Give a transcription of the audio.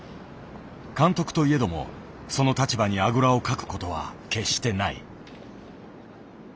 監督といえどもその立場にあぐらをかく事は決してない。